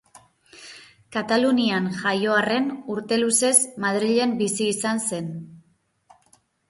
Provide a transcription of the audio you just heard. Katalunian jaio arren, urte luzez Madrilen bizi izan zen.